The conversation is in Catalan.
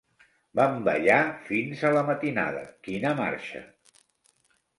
Vam ballar fins a la matinada, quina marxa!